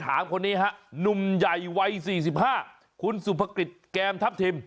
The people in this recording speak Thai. คนนี้ฮะหนุ่มใหญ่วัย๔๕คุณสุภกิจแก้มทัพทิม